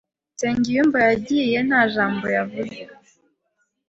Nsengiyumva yagiye nta jambo yavuze.